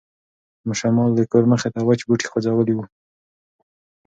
شمال د کور مخې ته وچ بوټي خوځولي وو.